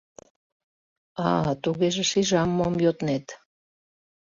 — А-а, тугеже шижам, мом йоднет!